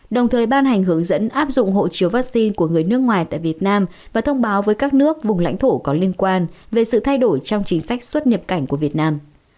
đồng thời ban hành hướng dẫn áp dụng hộ chiếu vaccine của người nước ngoài tại việt nam và thông báo với các nước vùng lãnh thổ có liên quan về sự thay đổi trong chính sách xuất nhập cảnh của việt nam